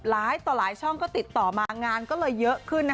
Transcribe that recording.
หลายต่อหลายช่องก็ติดต่อมางานก็เลยเยอะขึ้น